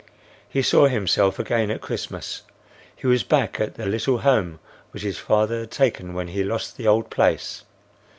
He saw himself again at Christmas. He was back at the little home which his father had taken when he lost the old place.